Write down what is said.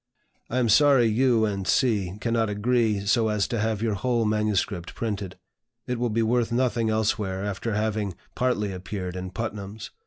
I am sorry you and C. cannot agree so as to have your whole MS. printed. It will be worth nothing elsewhere after having partly appeared in Putnam's.